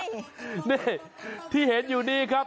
นี่ที่เห็นอยู่นี้ครับ